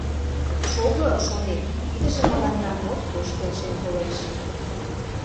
Шого, шонем, тидыже мыланна моткоч келшен толеш.